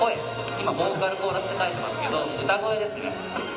今ボーカルコーラスって書いてますけど歌声ですね。